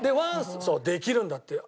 そうできるんだってよ。